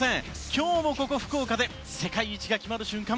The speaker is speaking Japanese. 今日もここ、福岡で世界一が決まる瞬間。